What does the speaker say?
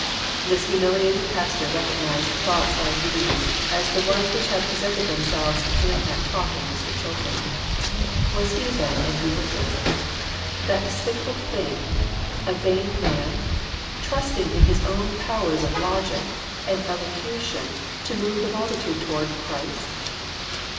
This humiliated pastor recognized thoughts like these as the ones which had presented themselves during that talk with Mr. Chilton. Was he, then, an egotist ? That despicable thing, a vain man ; trusting in his own powers of logic and elocution to move the multitude toward Christ